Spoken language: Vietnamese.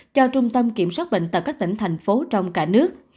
cho trung tâm kiểm soát bệnh tật các tỉnh thành phố trong cả nước